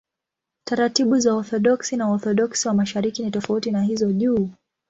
Taratibu za Waorthodoksi na Waorthodoksi wa Mashariki ni tofauti na hizo juu.